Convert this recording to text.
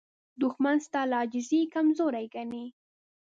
دښمن ستا له عاجزۍ کمزوري ګڼي